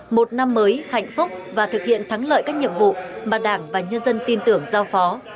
một năm mới hạnh phúc và thực hiện thắng lợi các nhiệm vụ mà đảng và nhân dân tin tưởng giao phó